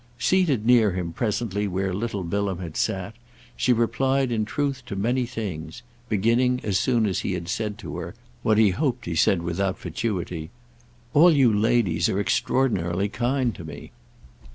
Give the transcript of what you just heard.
Seated near him presently where little Bilham had sat, she replied in truth to many things; beginning as soon as he had said to her—what he hoped he said without fatuity—"All you ladies are extraordinarily kind to me."